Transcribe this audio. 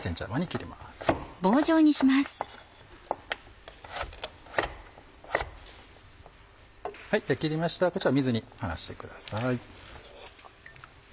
切りましたらこちら水にならしてください。